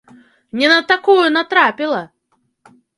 Не на такую натрапіла!